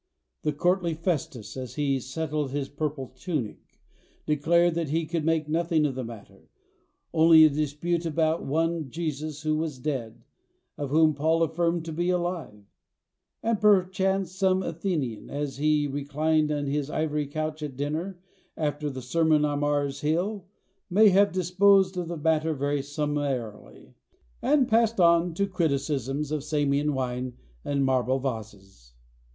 The courtly Festus, as he settled his purple tunic, declared he could make nothing of the matter, only a dispute about one Jesus, who was dead, and whom Paul affirmed to be alive; and perchance some Athenian, as he reclined on his ivory couch at dinner, after the sermon on Mars Hill, may have disposed of the matter very summarily, and passed on to criticisms on Samian wine and marble vases.